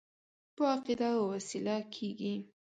په عقیده او وسیله کېږي.